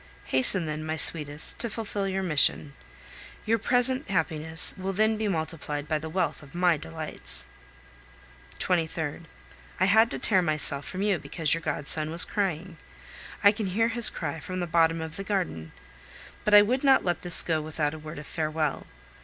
Hasten, then, my sweetest, to fulfil your mission. Your present happiness will then be multiplied by the wealth of my delights. 23rd. I had to tear myself from you because your godson was crying. I can hear his cry from the bottom of the garden. But I would not let this go without a word of farewell.